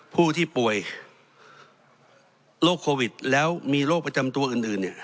ผู้ที่ป่วยโรคโควิดแล้วมีโรคประจำตัวอื่นเนี่ย